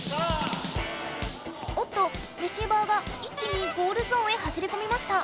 おっとレシーバーが一気にゴールゾーンへ走りこみました。